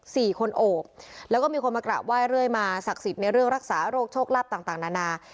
สี่คนโอบแล้วก็มีคนมากลับว่ายเรื่อยมาศักดิ์ศิษย์ในเรื่องรักษาโรคโชคลับต่างนานา